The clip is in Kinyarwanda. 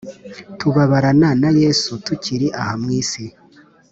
Tubababrana na yesu tukiri aha mu isi